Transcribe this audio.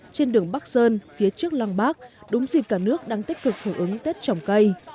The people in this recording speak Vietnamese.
trên đường bắc sơn phía trước lăng bác đúng dịp cả nước đang tích cực hưởng ứng tết trồng cây